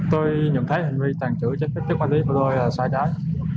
tôi nhận thấy hành vi tàn trữ chất ma túy của tôi là sai trái